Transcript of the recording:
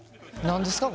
何ですか？